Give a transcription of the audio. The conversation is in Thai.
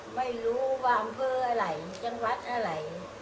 ไม่รู้ว่าอำเภออะไรจังหวัดอะไร